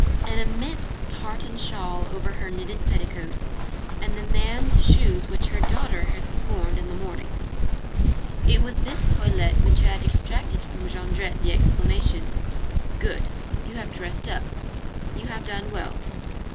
an immense tartan shawl over her knitted petticoat, and the man's shoes which her daughter had scorned in the morning. It was this toilette which had extracted from Jondrette the exclamation: "Good! You have dressed up. You have done well.